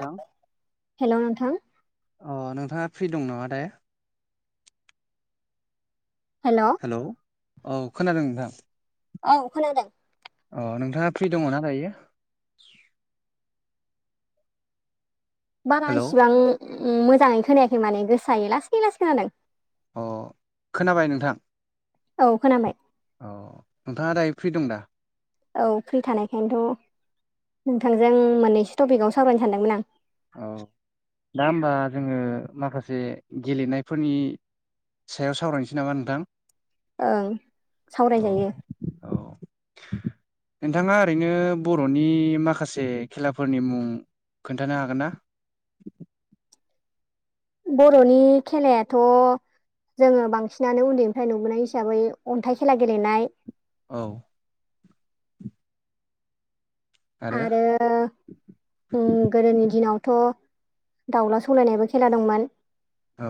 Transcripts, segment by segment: नोंथां हेलौ नोंथां अ नोंथाङा फ्रि दं नामा थाय [unintelligible] हेल' औ खोनादों नोंथां औ खोनादों अ नोंथाङा फ्रि दङना दायो बारा हेलौ इसिबां मोजाङैनो खोनायाखै माने गोसायो लासै लासै खोनादों अ खोनाबाय नोंथां औ खोनाबाय औ नोंथाङा दायो फ्रि दं दा औ फ्रि थानायखायनोथ' नोंथांजों मोननैसो टपिकआव सावरायनो सानदोंमोन आं औ दा होमबा जोङो माखासे गेलेनायफोरनि सायाव सावरायनोसै नामा नोंथां ओं औ सावरायजायो औ नोंथाङा ओरैनो बर'नि माखासे खेलाफोरनि मुं खोन्थानो हागोन ना बर'नि खेलायाथ' जोङो बांसिनानो उन्दैनिफ्राय नुबोनाय हिसाबै अन्थाइ खेला गेलेनाय औ आरो गोदोनि दिनावथ' दाउला सौलायनायाबो खेला दंमोन औ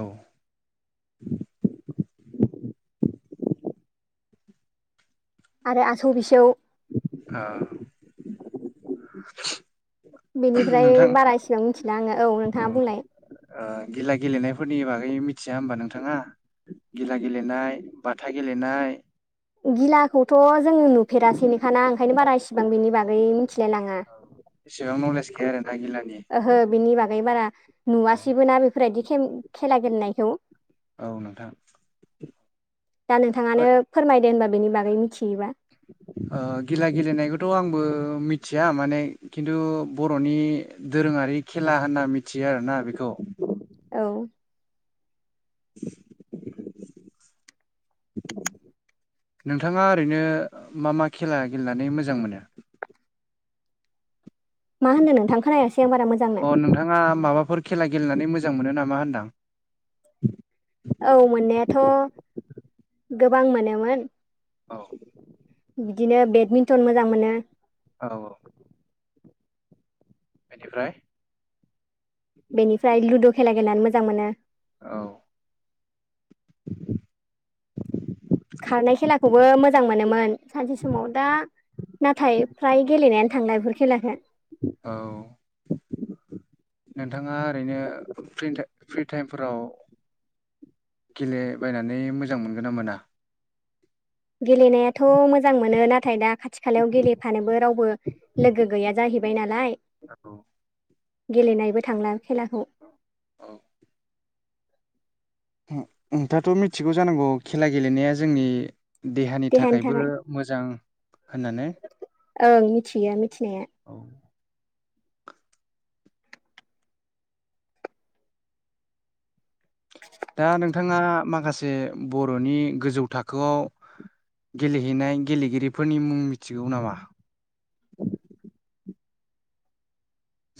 आरो आसौ बिसौ औ बेनिफ्राय बारा एसेबां मिथिला आङो औ अ नोंथाङा बुंलाय ओ गिला गेलेनायफोरनि बागै मिथिया होमबा नोंथाङा गिला गेलेनाय बाथा गेलेनाय गिलाखौथ' जोङो नुफेरासैनिखाना ओंखायनो बारा इसिबां बेनि बागै। मिथिलाय लाङा औ बेसेबां न'लेज गैया आरो ओहो बेनि बागै बारा औ नुवासैबो ना बेफोरबायदि खेला गेलेनायखौ औ नोंथां दा ओ नोंथाङानो फोरमायदो होनबा बेनि बागै मिथियोबा। ओ गिला गेलेनायखौथ' आंबो मिथिया माने खिन्थु बर'नि दोरोङारि खेला होनना मिथियो आरोना बेखौ। औ [inaudible] नोंथाङा ओरैनो मा मा खेला गेलेनानै मोजां मोनो मा होनदों नोंथां खोनायासै आं बारा मोजांनो अ नोंथाङा माबाफोर खेला गेलेनानै मोजां मोनो नामा होनदां। औ मोननायाथ' गोबां मोनोमोन। औ। बिदिनो बेटमिन्टन मोजां मोनो। औ औ। बेनिफ्राय बेनिफ्राय लुद' खेला गेलेनानै मोजां मोनो। औ। [inaudible] खौबो मोजां मोनोमोन सानसे समाव दा नाथाय फ्राय गेलेनायानो थांला बेफोर खेलाखौ। औ। नोंथाङा ओरैनो फ्रि टाइमफोराव गेलेबायनानै मोजां मोनगोन ना मोना? गेलेनायाथ' थ' मोजां मोनो नाथाय दा खाथि खालायाव गेलेफानोबो रावबो लोगो गैया जाहैबाय नालाय नंगौ गेलेनायबो थांला खेलाखौ औ नोंथाङाथ' मिथिगौ जानांगौ खेला गेलेनाया जोंनि देहानि थाखायबो मोजां होननानै ओं मिथियो मिथिनाया दा नोंथाङा माखासे बर'नि गोजौ थाखोआव गेलेहैनाय गेलेगिरिफोरनि मुं मिथिगौ नामा?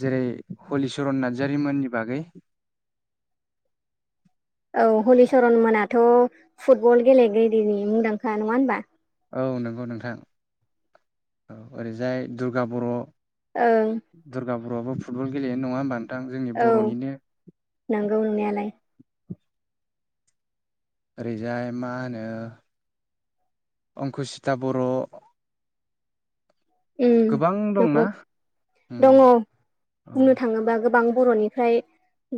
जेरै हलिचरन नार्जारिमोननि बागै औ हलिचरन मोनाथ' फुटबल गेलेगिरिनि मुंदांखा नङा होनबा औ नंगौ नोंथां औ ओरैजाय दुर्गा बर' ओं दुर्गा बर'आबो फुटबल गेलेयो नङा होमबा नोंथां जोंनि औ बर'निनो नंगौ नंनायालाय ओरैजाय मा होनो। अंकुसिता बर' ओम गोबां दंना नंगौ उम दङ औ बुंनो थाङोबा गोबां। बर'निफ्राय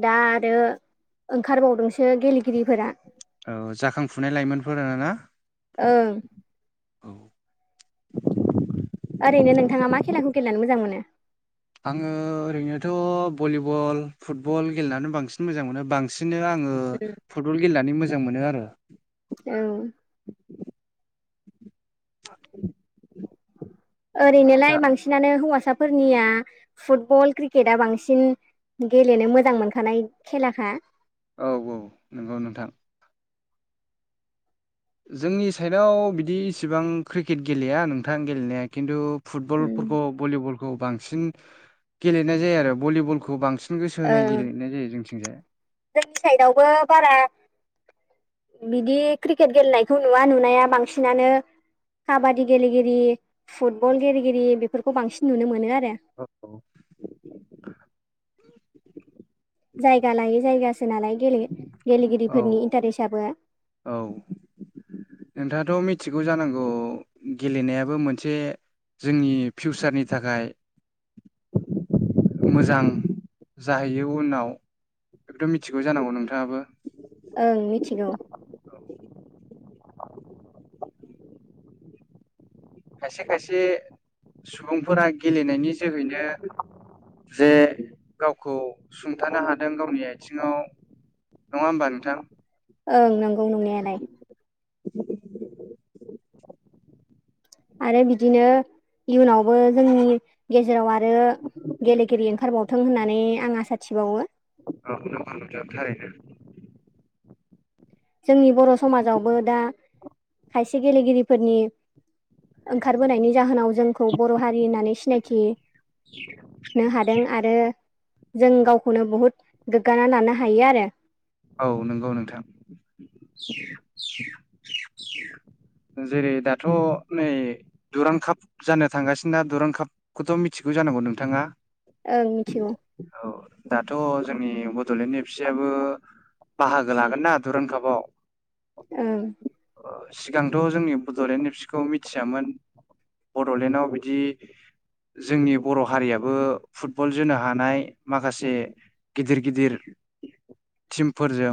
दा आरो ओंखारबावदोंसो गेलेगि औ जाखांफुनाय लाइमोनफोर ना। ओं औ। ओरैनो नोंथाङा मा खेलाखौ गेलेनानै मोजां मोनो। आङो ओरैनोथ' भलिबल फुटबल गेलेनानै बांसिन मोजां मोनो बांसिन। बिदिनो आङो उम फुटबल गेलेनानै मोजां मोनो आरो। औ [inaudible] दा ओरैनोलाय बांसिनानो हौवासाफोरनिया फुटबल क्रिकेटआ बांसिन गेलेनो मोजां मोनखानाय खेलाखा औ औ नंगौ नोंथां जोंनि साइडआव बिदि इसिबां क्रिकेट गेलेया नोंथां गेलेनाया खिन्थु फुटबल उम फोर भलिबलखौ बांसिन गेलेनाय जायो आरो भलिबलखौ बांसिन गोसो ओ होनाय गेलेनाय जायो जोंथिंजाय जोंनि साइदआवबो बारा बिदि क्रिकेट गेलेनायखौ नुवा नुनाया बांसिनानो काबादि गेलेगिरि फुटबल गेलेगिरि बेफोरखौ बांसिन नुनो मोनो आरो। औ औ जायगा लायै जायगासो नालाय औ गेलेगिरिफोरनि इन्टारेस्टआबो औ नोंथाङाथ' मिथिगौ जानांगौ गेलेनायाबो मोनसे जोंनि फिउसारनि थाखाय मोजां जाहैयो उनाव बेखौथ' मिथिगौ जानांगौ नोंथाङाबो ओं मिथिगौ खायसे खायसे सुबुंफोरा गेलेनायनि जोहैनो जे गावखौ सुंथानो हादों गावनि आथिङाव नङा होमबा नोंथां? ओं नंगौ नंनायालाय [inaudible] आरो बिदिनो इयुनावबो जोंनि गेजेराव आरो आरो गेलेगिरि ओंखारबावथों होननानै आं आसा थिबावो थारैनो जोंनि बर' समाजावबो दा खायसे गेलेगिरिफोरनि ओंखारबोनायनि जाहोनाव जोंखौ बर' हारि होननानै सिनायथि नो हादों आरो जों गावखौनो बहुद गोग्गाना लानो हायो आरो। औ नंगौ नोंथां [inaudible] जेरै दाथ' नै दुरां काप जानो थांगासिनो दा दुरां कापखौथ' मिथिगौ। जानांगौ नोंथाङा ओं मिथिगौ औ दाथ' जोंनि बड'लेण्ड एबसुयाबो बाहागो लागोनना दुरुं कापाव औ सिगांथ' जोंनि बड'लेण्ड एबसुखौ मिथियामोन। बड'लेण्डआव बिदि जोंनि बर' हारियाबो फुटबल जोनो हानाय माखासे गिदिर गिदिर [inaudible] टिमफोरजों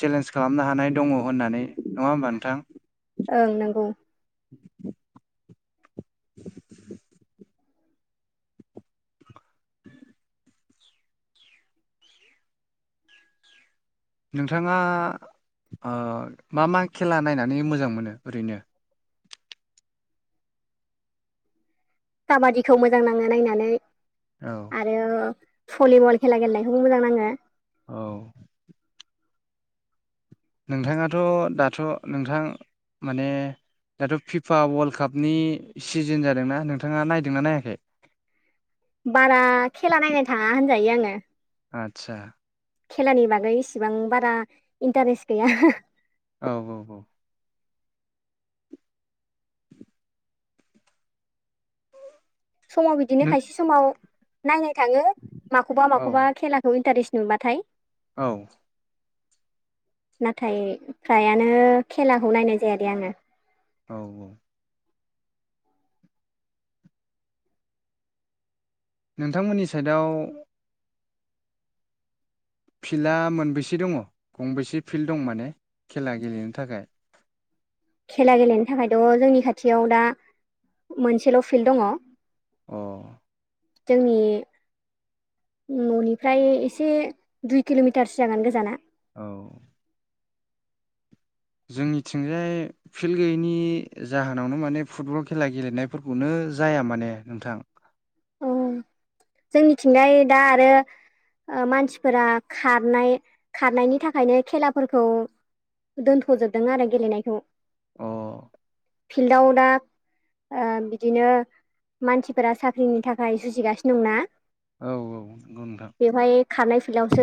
चेलेन्ज खालामनो हानाय दङ होननानै नङा होमबा नोंथां? ओं नंगौ [inaudible] [inaudible] नोंथाङा मा मा खेला नायनानै मोजां मोनो ओरैनो काबादिखौ मोजां नाङो नायनानै औ आरो भलिबल खेला गेलेनायखौबो मोजां नाङो। औ नोंथाङाथ' दाथ' नोंथां माने दाथ' फिफा वर्ल्ड कापनि सिजोन जादोंना नोंथाङा नायदोंना नायाखै? बारा खेला नायनाय थाङा होनजायो आङो। आदसा खेलानि बागै इसिबां बारा इन्टारेस्ट गैया औ औ औ समाव बिदिनो नों खायसे समाव नायनाय थाङो माखौबा औ माखौबा खेलाखौ इन्टारेस्ट नुबाथाय औ नाथाय फ्रायानो खेलाखौ नायनाय जायादे आङो औ नोंथांमोननि साइडआव फिल्डआ मोनबेसे दङ गंबेसे फिल्ड दं माने खेला गेलेनो थाखाय खेला गेलेनो थाखायथ' जोंनि खाथियाव दा मोनसेल' फिल्ड दङ औ जोंनि न'निफ्राय एसे दुइ किल'मिटारसो जागोन गोजाना औ जोंनिथिंजाय फिल्ड गैयैनि जाहोनावनो माने फुटबल खेला गेलेनायफोरखौनो जाया माने नोंथां औ जोंनिथिंजाय दा आरो मानसिफोरा खारनाय खारनायनि थाखायनो खेलाफोरखौ दोनथ'जोबदों आरो गेलेनायखौ अ फिल्डआव दा बिदिनो मानसिफोरा साख्रि ख्रिनि थाखाय जुजिगासिनो दंना औ औ नंगौ नोंथां फिल्डावसो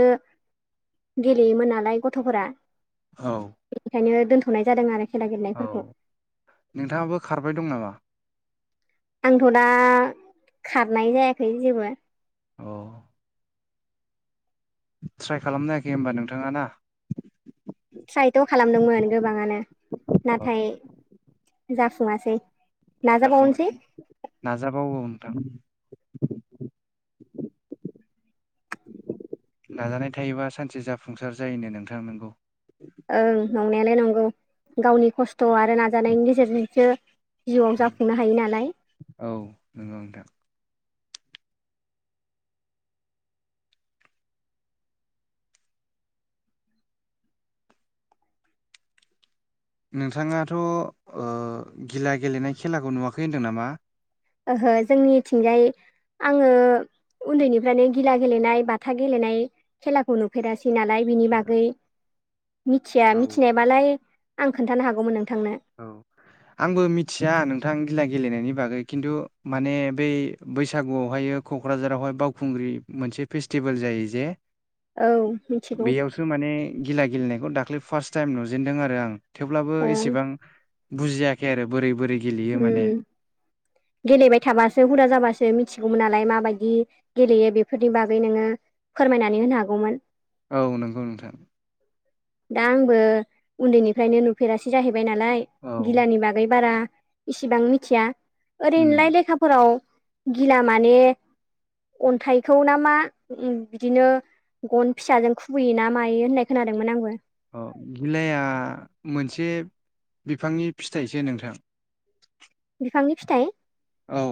गेलेयोमोन नालाय गथ'फोरा औ बेनिखायनो दोनथ'नाय जादों आरो खेला औ गेलेनायफोरखौ नोंथाङाबो खारबाय दं नामा? आंथ' दा खारनाय जायाखै जेबो अ ट्राइ खालामनाखै होनबा नोंथाङा ना? ट्रायथ' खालामदोंमोन गोबाङानो औ नाथाय जाफुङासै। जाफु नाजाबावनोसै नाजाबावो नोंथां [inaudible] नाजानाय थायोबा सानसे जाफुंसार जायोनो नोंथां नोंगौ। ओं नंनायालाय नंगौ गावनि खस्थ' आरो नाजानायनि गेजेरजोंसो जिउआव जाफुंनो हायो नालाय। औ नंगौ नोंथां नोंथाङाथ' ओ गिला गेलेनाय खेलाखौ नुवाखै होनदों नामा? ओहो जोंनिथिंजाय आङो उन्दैनिफ्रायनो गिला गेलेनाय, बाथा गेलेनाय खेलाखौ नुफेरासै नालाय बिनि बागै मिथिया औ मिथिनायबालाय आं खोन्थानो हागौमोन नों औ आंबो मिथिया नोंथां गिला गेलेनायनि बागै खिन्थु माने बे बैसागुआवहाय क'क्राझारावहाय बावखुंग्रि मोनसे फेस्टिभेल जायो जे औ मिथिगौ बेयावसो माने गिला गेलेनायखौ दाख्लै फार्स्ट टाइम नुजेनदों आरो आं थेवब्लाबो ओं एसेबां बुजियाखै आरो बोरै बोरै गेलेयो माने उम गेलेबाय थाबासो हुदा जाबा सो मिथिगौमोन नालाय माबायदि गेलेयो बेफोरनि बागै नोङो फोरमायनानै होनो हागौमोन। औ नंगौ नोंथां दा आंबो उन्दैनिफ्रायनो नुफेरासै जाहैबाय नालाय औ गिलानि बागै बारा इसिबां मिथिया उम ओरैनोलाय लेखाफोराव गिला माने अन्थाइखौ ना मा बिदिनो गन फिसाजों खुबैयोना मायो होननाय खोनादोंमोन आंबो। औ बिलाइआ मोनसे बिफांनि फिथाइसो नोंथां‌। बिफांनि फिथाइ औ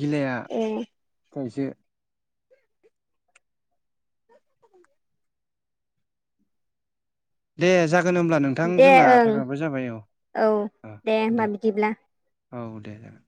गिलाया ए खायसे दे जा गोन होमब्ला नोंथां दे जोंना ओं टाइमआबो जाबाय औ होमबा दे। बिदिब्ला औ दे जागोन।